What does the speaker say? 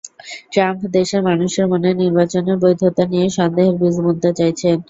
Trump দেশের মানুষের মনে নির্বাচনের বৈধতা নিয়ে সন্দেহের বীজ বুনতে চাইছেন।